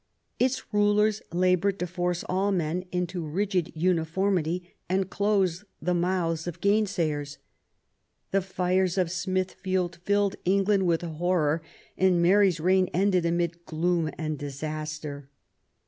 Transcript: Its rulers laboured to force all men into rigid uniformity and close the mouths of gainsayers. The fires of Smithfield filled England with horror ; and Mary's reign ended amid gloom and disaster.